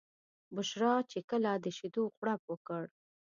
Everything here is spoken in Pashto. بشرا چې کله د شیدو غوړپ وکړ.